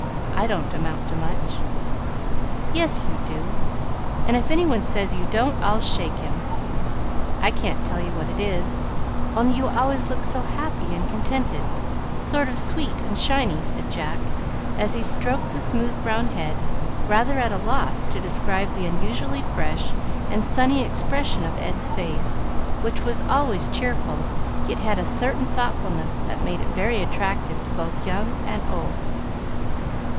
I don't amount to much." "Yes, you do! and if any one says you don't I'll shake him. I can't tell what it is, only you always look so happy and contented sort of sweet and shiny," said Jack, as he stroked the smooth brown head, rather at a loss to describe the unusually fresh and sunny expression of Ed's face, which was always cheerful, yet had a certain thoughtfulness that made it very attractive to both young and old.